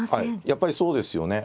やっぱりそうですよね。